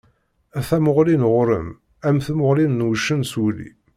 Tamuɣli-w ɣur-m am tmuɣli n wuccen s wulli.